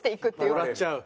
もらっちゃう？